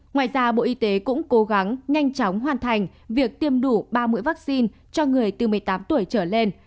ngoài ra bộ y tế cũng cố gắng nhanh chóng hoàn thành việc tiêm đủ ba mươi vaccine cho người từ một mươi tám tuổi trở lên